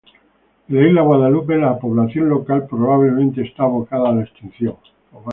En la isla Guadalupe, la población local probablemente está abocada a la extinción.